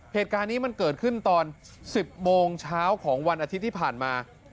เหตุการณ์นี้มันเกิดขึ้นตอน๑๐โมงเช้าของวันอาทิตย์ที่ผ่านมา